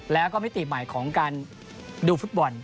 แล้วก็มิติใหม่ของการดูฟุตบอล